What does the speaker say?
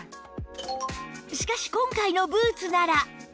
しかし今回のブーツなら